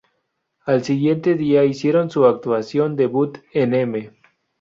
Al siguiente día hicieron su actuación debut en "M!